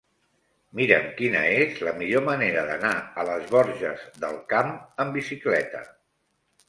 Mira'm quina és la millor manera d'anar a les Borges del Camp amb bicicleta.